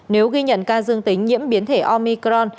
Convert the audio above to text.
nếu ghi nhận ca dương tính nhiễm biến thể omicron